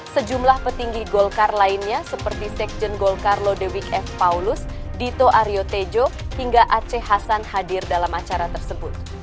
sejumlah petinggi golkar lainnya seperti sekjen golkar lodewik f paulus dito aryo tejo hingga aceh hasan hadir dalam acara tersebut